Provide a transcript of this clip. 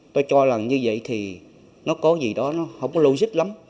tôi cho là như vậy thì nó có gì đó nó không có logic lắm